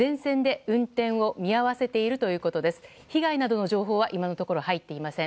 被害などの情報は今のところ入っていません。